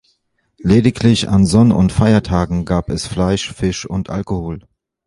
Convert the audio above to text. Lediglich an Sonn- und Feiertagen gab es Fleisch, Fisch und Alkohol.